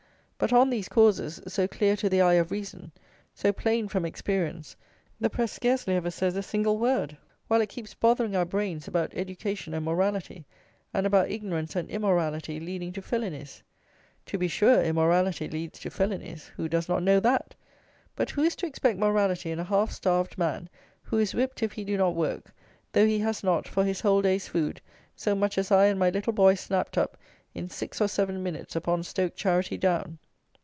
But on these causes, so clear to the eye of reason, so plain from experience, the press scarcely ever says a single word; while it keeps bothering our brains about education and morality; and about ignorance and immorality leading to felonies. To be sure immorality leads to felonies. Who does not know that? But who is to expect morality in a half starved man, who is whipped if he do not work, though he has not, for his whole day's food, so much as I and my little boy snapped up in six or seven minutes upon Stoke Charity Down?